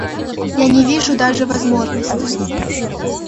Я не вижу даже возможности.